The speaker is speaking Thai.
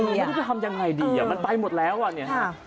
ไม่รู้จะทำอย่างไรดีมันไปหมดแล้วอ่ะเนี่ยครับ